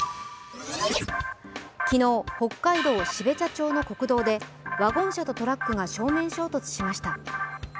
昨日、北海道標茶町の国道で、ワゴン車とトラックが正面衝突しました。